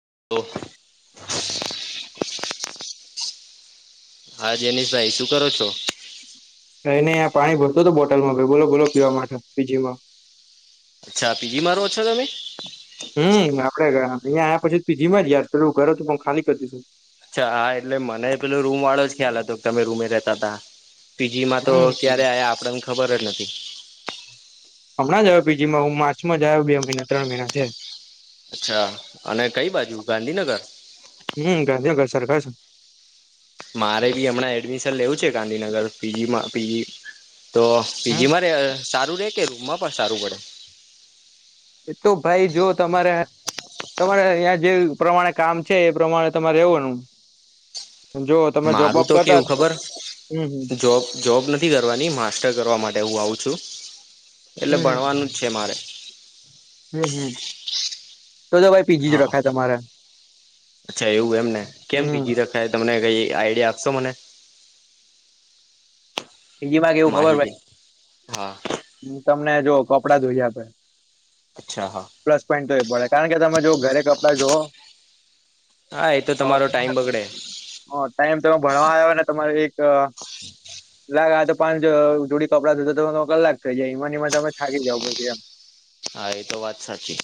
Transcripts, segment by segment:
[unintelligible] હા જેનીશભાઈ, શું કરો છો? કાઈ નહીં, આ પાણી ભરતો તો બોટલમાં. ભાઈ બોલો, બોલો પીવા માટે પીજીમાં. અચ્છા. પીજી મા રહો છો તમે? હમ્મ. આપડે ગા અહીયાં આ પીજી યાદ કરું. ઘરે તો હું પણ ખાલી કરતું છે. અચ્છા હા, એટલે મને પેલુ રૂમ વાળો જ ખ્યાલ હતો કે તમે રૂમે રેતા તા. પીજીમાં તો હમ ક્યારે આયા આપડ એમ ખબર જ નથી. હમણાં જ આવ્યો પીજીમાં હું માર્ચમાં જ આયો બે મહિના ત્રણ મહિના થયા. અચ્છા. અને કઈ બાજુ ગાંધીનગર? હમ [unintelligible] મારે બી હમણાં એડમિશન લેવું છે ગાંધીનગર પીજીમાં પીજી તો હમ પીજી મા રે સારું રે, કે રૂમમાં પણ સારું પડે? એ તો ભાઈ જો તમારે તમારે યા જે પ્રમાણે કામ છે એ પ્રમાણે તમારે રહેવાનું. જો તમે જોબ મારું વોબ તો કરતા કેવું હશો ખબર હમ હમ જોબ-જોબ નથી કરવાની, માસ્ટર કરવા માટે હું આવું છું. એટલે ભણવાનું જ છે મારે. હમ્મ-હમ્મ. હાહ અચ્છા એવું એમ ને. કેમ હમ પીજી રખાય તમને કઈ આઈડિયા આપશો મને? પીજી માં કેવું ખબર ભા માહિતી હા. અમ તમને જો કપડા ધોઈ આપે અચ્છા હા પ્લસ પોઈન્ટ તો એ પડે કારણ કે તમે જો ઘરે કપડા ધુઓ હા. એ તો અહ તમારો ટાઈમ [unintelligible] બગડે અહ ટાઈમ તમે ભણવા આવ્યો ને તમાર એક લા લા તો પાંચ જ જોડી કપડાં ધોઓ તો કલાક થઈ જાય. એમા ને એમાં તમે થાકી જાવ પછી એમ. હા એ તો વાત સાચી.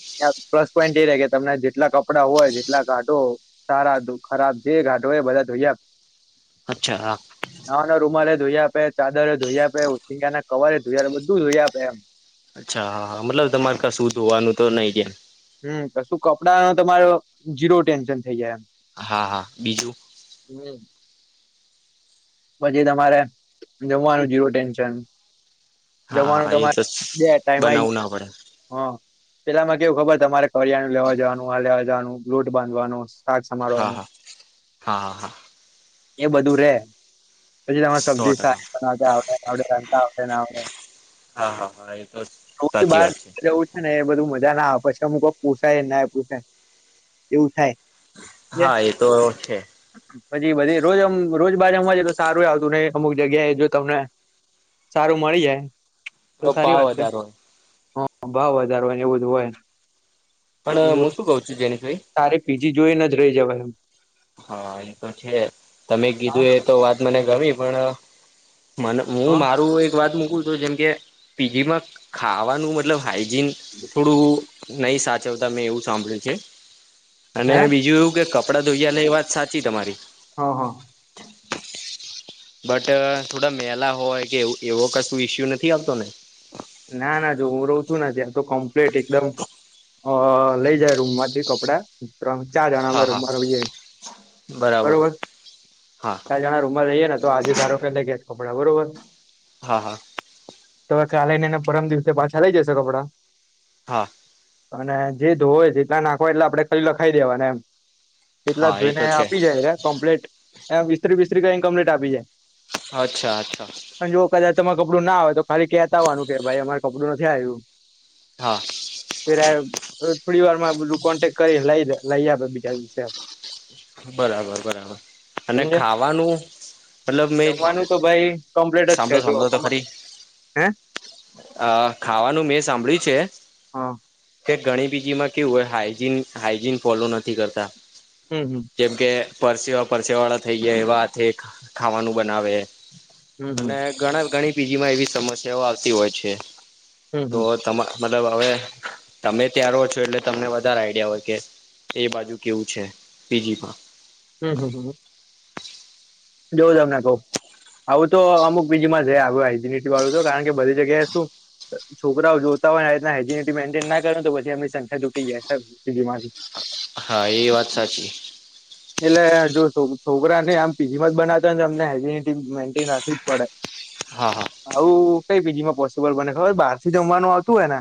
કે રે કે તમને જેટલા કપડાં હોય જેટલા કાઢો સારા ખરાબ જે કાઢો હોય એ બધા ધોઈ આ અચ્છા હા નાવા ના રૂમાલે ધોઈ આપે, ચાદરે ધોઈ આપે, ઓસીકા ના કવરે ધોઈ આપે બધું ધું ધોઈ આપે એમ. અચ્છા, હા, હા મતલબ તમારે કશું ધોવાનું તો નહી ત્યાં. હમ્મ તો શું કપડાનો તમારો જીરો ટેન્શન થઇ જાય એમ. હા, હા બીજું. હમ્મ. પછી તમારે જમવાનું જીરો ટેન્શન હા જમવાનું હા એ તમારે તો બે ટાઈમ આય બનાવવું ના પડે [unintelligible] હા. પેલામાં કેવું ખબર તમારે કરિયાણું લેવા જવાનું, આ લેવા જવાનું, લોટ બાંધવાનો શાક હા, સમારવાનું હા, હા, હા, હા. એ બધું રહે. પછી તમારે સો સબ્જી શાક ટકા [inaudible] હા હા હા એ તો [inaudible] સાચી બાર વાત જેવું છે ને એ બધું મજા ના આવ પછી અમકો પોસાય ના પોસાય એવું થાય. હા સમજ્યા. એ તો છે પછી બધી રોજ આમ રોજ [unintelligible] તો સારું એ આવતું ને અમુક જગ્યાએ જો તમને સારું મળી જાય તો સારી પા વાત છે વધારો હોય. ભાવ વધારો હોય ને એવું બધું હોય. પણ હું હમ્મ, શું કઉ છું જેની ભાઈ તારે પીજી જોઈને જ રહી જવાય એમ. હા એ તો છે. તમે હા કીધું એ તો વાત મને ગમી પણ અહ મને હું હા મારું એક વાત મૂકું છું જેમકે પીજીમાં ખાવાનું મતલબ હાઈ જીન થોડું નહીં સાચવતા મેં એવું સાંભળ્યું છે. અને હે બીજું એવું કે કપડાં ધોઈયા એ વાત સાચી તમારી હા હા બટ થોડા મેલા હોય કે એવો કશું ઈસ્યુ નથી આવતો ને ના ના જો હું રો શું નથી આ તો કમ્પ્લીટ એકદમ અ લઈ જાય રૂમમાંથી કપડા ત્રળ ચાર હા જણા રુમ હા મા ર‌ઈયે બરાબર બરોબર હા ત્રળ જણા રૂમમાં રહીએે ને તો આજે ધારો કેલે ગયા કપડા બરોબર હા હા ખ્યા લઈ નેને પરમ દિવસે પાછા લઈ જશે કપડા હા અને જે ધોવો હોય જેટલા નાખવા હોય એટલે આપડણે ખા લખાઈ દેવા ને એમ એટલા હા એ ઘોઈ ને તો છે આપી જાયરા કમ્પ્લીટ એ ઈસ્ત્રી બિસ્ત્રી કરીને કમ્પ્લીટ આપી જાય અચ્છા અચ્છા પણ જો કદાચ તમારે કપડું ના આવેય તો ખાલી કેતા આવવાનું કે મારે કપડું નથી આવ્યું હા પે થોડી વાર માં બધું કોન્ટેક કરી લાઈ દે લઈ આપે બીજા દિવસે આપે બરાબર બરાબર અને સમજે ખાવાનું મતલબ મેં જમવાનું તો ભાઈ કમ્પ્લીટ જ છે સાંભળો જો સાંભળો તો ખરી હ અ ખાવાનું મેં સાંભળ્યું છે હા કે ઘણી બીજી માં કેવું હોય હાઈજીન હાઈજીન ફોલો નથી કરતા હમ હમ જેમ કે પરસેવા પરસે વાળા થઇ ગયા એવા હાથે ખાવાનું બનાવે હમ હમ અને ઘણા ઘણી બીજીમાં એવી સમસ્યાઓ આવતી હોય છે હમ તો હમ તમા મતલબ હવે તમે ત્યાં રહો છો એટલે તમને વધારે આઈડિયા હોય કે એ બાજુ કેવું છે બીજી પણ હમ હમ હ [unintelligible] [inaudible] જોઉ તમને ક‌ઉ આવું તો અમુક બીજીમાં જ આવ હજીનિટી વાળું તો કારણ કે બધી જગ્યાએ શું છોકરાઓ જોતા હોયને આ રીતના હજીનિટી મેન્ટેન ના કરે તો પછી એમની સંખ્યા તૂટી જાય છે માંથી હા એ વાત સાચી એટલે જોશું છોકરા ને આમ પીજી માં જ બનાવતા હો ને અમને હેનિ મેન્ટેન રાખવી જ પડે હા હા આવું કઈ બીજીમાં પોસિબલ બને ખબર બહાર થી જમવાનું આવતું હોય ને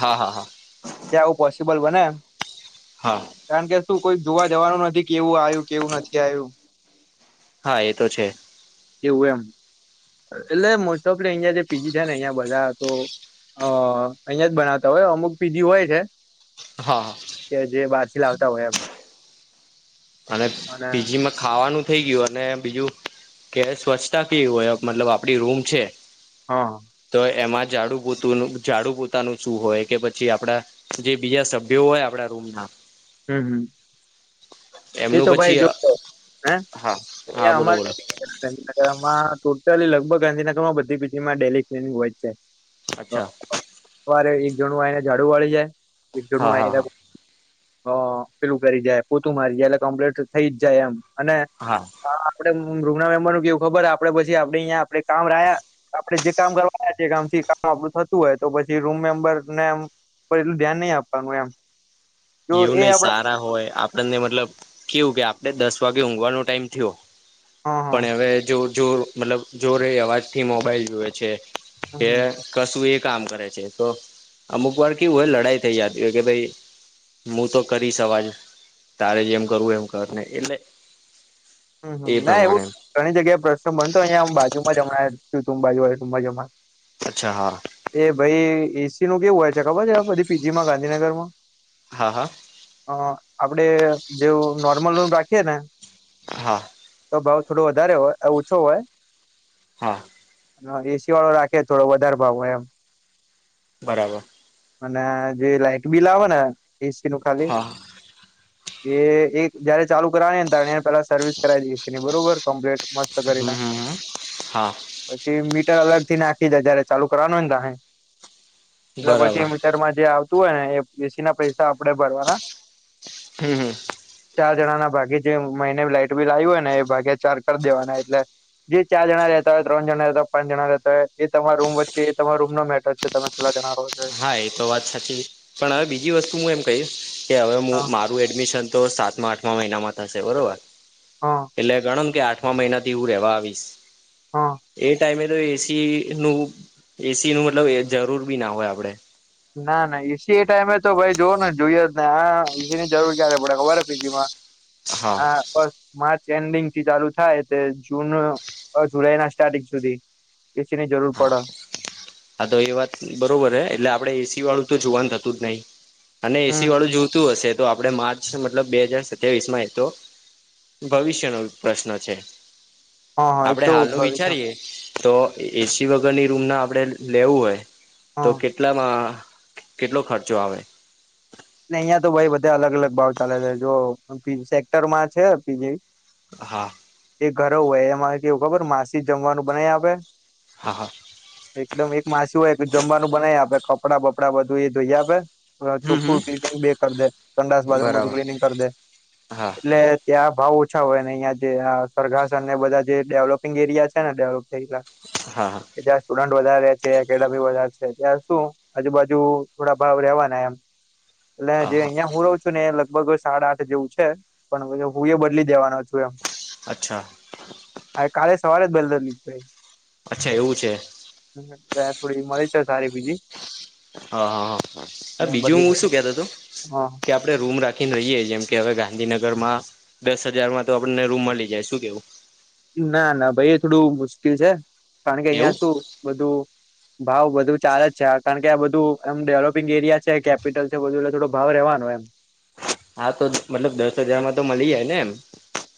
હા હા હા બોલ બને હા તુ કોઈ જોવા જવાનું નથી કેવું આવ્યું કેવું નથી આવ્યું હા એ તો છે. એવું એમ એટલે મોસ્ટ ઓફ જે પીજી થ ને અહિયાયા બધા તો હ અહિયાં જ બનાવતા હોય અમુક પીજીી હોય છે. હા હા કે જે બહારથી લાવતા હોય એમ અને પીજીમાં ખાવાનું થઈ ગયું અને બીજું કે સ્વચ્છતા કેવી હોય?? મતલબ આપડી રૂમ છે હા તો એમાં ઝાડુ પોતુનુ ઝાડુ પોતાનું શું હોય કે પછી આપડા જે બીજા સભ્યો હોય આપડા રૂમ ના હમ હમ... એમનું પછી હા હ હા બોલો બોલો અમામાં ટોટલ લગભગ ગાંધીનગરમાં બધી પી જી માં ડેલી ટ્રેનિંગ હોય જ છે. અ અચ્છા અ સવારે એક જણું આયને ઝાડુ વાળી જાય [unintelligible] નું હા હા આયને હા [unintelligible] હ પેલું કરી જાય પોતું મારી જાય એટલે કમ્પ્લેટ થ થઇ જ જાય એમ અને હા અ આપડે રૂમના મેમ્બરનું કેવું ખબર આપડે પછી આપડે અઈયા આપડે કામ રયા આપડે જે કામ કરવાના છે એ કામ થી કામ આપડું થતું હોય તો પછી રૂમ મેમ્બર ને એમ પછી એટલું ધ્યાન નહી આપવાનું એમ જો એવું એ નઈ આપડા સારા હોય આપ પણને મતલબ કેવું કે આપણે દસ વાગે ઊંઘવાનો ટાઈમ થ્યો હા હા પણ યવે જ્યો જોર મતલબ જોરે એ અવાજથી મોબાઈલ જુવે છે હમ કે હમ કશું એક કામ કરે છે તો અમુક વાર કેવું હોય લડાઈ થઈ જાતી હોય કે ભઈ મું તો કરીશ અવાજ તારે જેમ કરવું હોય એમ કર ને એટલે હમ્મ, હમ્મ, એ ના એવું પ્રમાણે ઘણી જગ્યાએ પ્રશ્ન બનતો હોય અઈયા બાજુમાં જ અમણાં થ્યુ તું બાજો [unintelligible] તુંબાજોમાં અચ્છા હા એ ભઈ એ સી નું કેવું હોય ખબર છે આ બધી પી જી માં ગાંધીનગરમાં હા હા અ આપડે જેવુ નોર્મલ રૂમ રાખીએ ને હા. તો ભાવ થોડો વધારે હોય ઓછો હોય. હા. હ એ સી વાળો રાખીયે થોડો વધારે ભાવ હોય એમ. બરાબર. અને જે લાાઈટ બિલ આવ ને એ સી નું ખાલી હા એ એક જયારે ચાલુ કરાની હોય ત્યારે પેલા સ સર્વિસ કરાય દઈ એ સે ને બરોબર કમ્પલેટ મસ્ત કરીને હમ હમ હમ હા પછી મી ટર અલગથી નાખી દે જયારે ચાલુ કરવાનું હોય ને તારે એટલે પછી બરાબર મીટરમાં જે આવ તું હોય ને એ એ સી ના પૈસા આપણેે ભરવાના હમ હમ ચાર જણાના ભાગે જે મહિને લાાઈટ બિલ આયુ હોય ને એ ભાગે ચાર કરી દેવાના એટલે જે ચાર જણા રહેતા હોય, ત્રણ જણા રહેતા હોય, પાંચ જણા રહેતા હોય એ તમારા રૂમ વચ્ચે એ તમારા રૂમનો મેટર છે તમે ખ હા, એ તો વાત સાચી, પણ અવે બીજી વસ્તુ હું એમ કહીશ કે હવે મું હા મારું એડમિશન તો સાતમા આઠમા મહિનામાં થશે બરોબર હા એટલે ગણો ન કે આ ઠમા મહિનાથી હું રેવા આવીશ, હા એ ટાઈમે એ સી નું એ સી નું મતલબ એ જરૂર બી ના હોય આપડે ના ના, ઈ સી એ ટાઈમે તો ભાઈ જોઓને જોઈએ જ ને આ ઈ સી ની જરૂર ક્યારે પડે ખબર હે પી જી માં હા બસ મા ચ એન્ડિંગથી ચાલુ થાય તે જૂન અ જુલાઈના સ્ટાર્ટિંગ સુધી એસી ની જરૂર હા, પડે હા તો એ વાત બરોબર હે એટલે આ પડે એ સી વાળું તો જોવાનું થતું જ નઈ અને એ સી હમ વાળું જોતું અશે તો આપડે માર્ચ મતલબ બે હાજાર સત્યાવીસ માં એ તો ભવિષ્યનો પ્રશ્ન છે. હા હા એ આપડે તો હાલનું ભવિષ્ય વિચારીએ તો એ એ સી વગરની રૂમના આપણેે લેવું હોય તો હા કેટલામાં કેટલો ખર્ચો આવે? ને અઈયાં તો ભાઈ બધે અલગ અલગ ભાવ ચાલે છે, જો પિન સેક્ટરમાં છે પી જી હા. એ ઘરઉ હોય એમાં કેવું ખબર માસી જમવાનું બનાય આપે હા હા એકદમ એક માસી હોય [unintelligible] જમવાનું બનાય આપે કપડા બપડા બધું એ ધોઈ આપે અ ચોક્ હમ હમ ખુ કલિનિંગ બી એ કર દે, સંડાસ બાથરૂમ બધુ બરાબર ક્લીનિંગ કર દે હા એટલે ત્યાં ભાવ ઓછા હોય ને અઇયા જે આ સ્વર્ગાસન ને બધા જે ડેવલોપિંગ એરિયા છે ને ડેવ થયલા હા હા એ જ્યારે સ્ટુડન્ટ વધારે છે કે ડમી વધારે છે ત્યાર શું આજુબાજુ થોડા ભાવ રેવાના એમ એટલે જે હા હા અહિયાં હું રહું છું ને એ લગભગ સાડા આઠ જેવું છે પણ હું એ બદલી દેવાનો છે. અચ્છા કાલે સવારે જ બલદર નીક હ અચ્છા એવું છે ત થોડી મળી છે સારી બીજી હા હા હા એટલે બીજું હું બદલી શું કેતા તું હ કે આપડે રૂમ રાખી ન રહીએ જેમ કે હવે ગાંધીનગર માં દસ હજારમાં તો આપણને રૂમ મળી જાય શું કેવું? ના ના ભાઈ થોડું મુશ્કેલ છે કારણ કે અહિયાં એવું શું બધું ભાવ બધું ચારે જ છે કારણ કે આ બધું એમ ડેવલોપિંગ એરિયા છે કેપિટલ છે બધું એટલે થોડો ભાવ રહેવાનું ન એમ. હા તો મતલબ દસ હજારમાં તો મળી જાય ને એમ.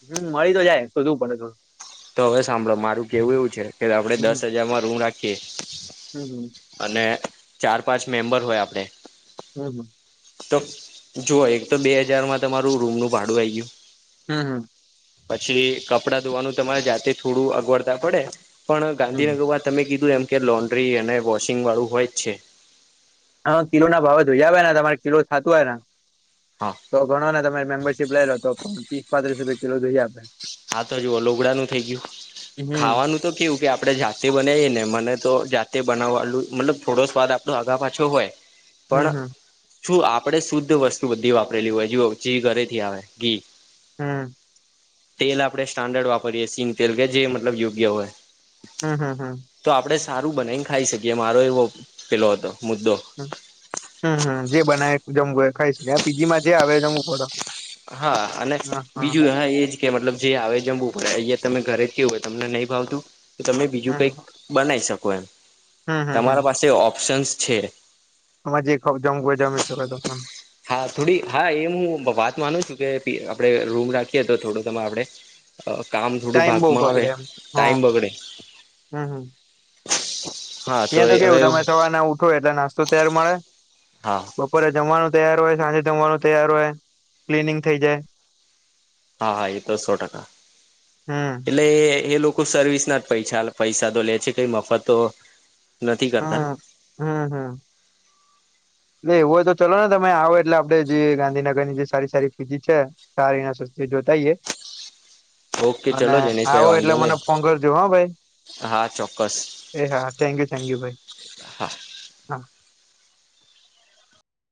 હમ મળી તો જાય શોધવું પડે થોડું. તો હવે સાંભળો મારું કેવું એવું છે કે આપડે દસ હમ હજારમાં રૂમ રાખીએ હમ અને ચાર પાંચ મેમ્બર હોય આપડે હા હા. તો જોઓ એક તો બે હજારમાં તમારું રૂમનું ભાડું આય ગયું. હમ હમ. પછી કપડાં ધોવાનું તમારે જાતે થોડું અગવડતા પડે. પણ હમ ગાંધીનગરમાં તમે કીધું એમ કે લોન્ડ્રી અને વોશિંગ વાળું હોય જ છે. હા કિલો ના ભાવે જોઈ આવે તમારે કિલો થતું હોય હા તો ઘણો ને તમે મેમ્બરશીપ લઈ લો તો પણ ત્રીસ પાંત્રીસ રૂપિયા કિલો ધોઈ હા તો જુઓ લોગડા નું થઇ ગયું. હમ ખાવાનું તો કેવું કે આપડણે જાતે બનાવીયએ ને મને તો જાતે બનાવ આલ મતલબ થોડો સ્વાદ આપડો આગા પાછો હોય. હમ પણ હમ. શું આપણે શુદ્ધ વસ્તુ બધી વાપરેલી હોય જે ચી ઘરેથી આવે ઘી હમ. તેલ આપડણે સ્ટાન્ડર્ડ વાપરીયએ સિન તેલ કે જે મતલબ યોગ્ય હોય. હમ હમ હમ. તો આપણે સારું બનાવી ને ખાઈ શકીએ મારો એવો પેલો હતો. મુદ્દો હ હમમ જે બનાય જમવું એ ખાઈશ ને પીજી માં જે આવે જમવું પડ હા અને બીજું હ એજ કે મતલબ જે આવે જમવું પડે અહંયા તમે ઘરે જ કેવું હોય તમને નહીં ભાવતું. તમે બીજું હમ કઈક બનાવી શકો એમ હમ તમારા પાસે ઓપ્શન્સ છે. આમાં જે જમઘું હોય જમેશને હા થોડી હા એ હું વાત માનું છું કે આપણે રૂમ રાખીએ તો થોડો ત આપડણે કામ થોડું ટાઈમ બહુ ભાગમાં આવે બગડે એમ હા ટાઈમ બગડે. હમ હમ હા ત્યાં તો કેવું હવે તમે સવાર ના ઉઠો એટલે નાસ્તો ત્યારે મળે હા બપોરે જમવાનું તૈયાર હોય સાંજે જમવાનું તૈયાર હોય ક્લીનિંગ થઈ જાય. હા હા એ તો સો ટકા હમ એટલે એ લોકો ખ સર્વિસ ના જ પૈસા પૈસા તો લે છે કઈ મફત તો નથી કરતા હમ હમ હમ. એલે એવુંય તો ચલો ને તમે આવો એટલે આપડે જે ગાંધીનગર ની જે સારી સારી ફીજી છે સારી સસ્તી જોતાઈએ ઓકે અને ચલો જનીશભાઈ આવો એટલે વાંધો મને નહી ફો કરજો હા ભાઈ. હા ચોક્કસ એ હા થેન્ક યુ થેન્ક યુ ભાઈ. હા [unintelligible] [inaudible]